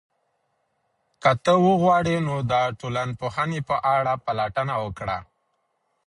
که ته وغواړې، نو د ټولنپوهنې په اړه پلټنه وکړه.